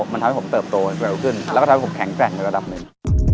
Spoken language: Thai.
มันทำให้ผมเติบโตเร็วขึ้นแล้วก็ทำให้ผมแข็งแกร่งในระดับหนึ่ง